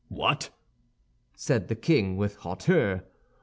"What?" said the king, with hauteur.